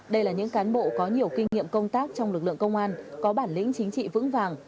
đây là những cán bộ có nhiều kinh nghiệm công tác trong lực lượng công an có bản lĩnh chính trị vững vàng